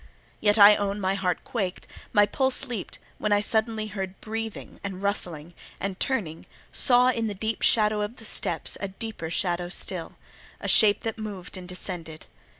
Yet I own my heart quaked, my pulse leaped, when I suddenly heard breathing and rustling, and turning, saw in the deep shadow of the steps a deeper shadow still—a shape that moved and descended.